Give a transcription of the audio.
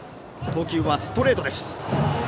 投球はストレートです。